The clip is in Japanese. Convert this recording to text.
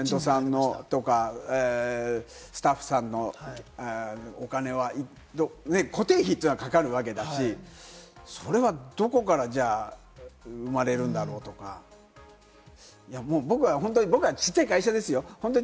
１００人近くいるタレントさんのとか、スタッフさんのお金は固定費がかかるわけだし、それはどこからじゃあ、生まれるんだろうとか、僕は本当に小さい会社ですよ？